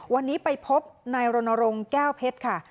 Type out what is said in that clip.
วันนี้ไปพบนายรณรงค์แก้วเพชรค่ะ